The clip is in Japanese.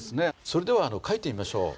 それでは書いてみましょう。